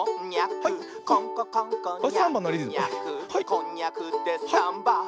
「こんにゃくでサンバ！」